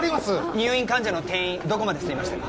入院患者の転院どこまで進みましたか？